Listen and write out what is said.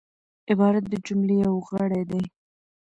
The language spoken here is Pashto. عبارت د جملې یو غړی دئ.